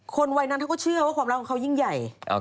วัยนั้นเขาก็เชื่อว่าความรักของเขายิ่งใหญ่